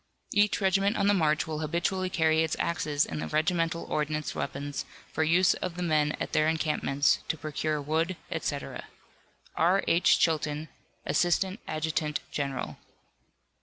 Each regiment on the march will habitually carry its axes in the regimental ordnance wagons, for use of the men at their encampments, to procure wood, etc. R. H. CHILTON, Assistant Adjutant General.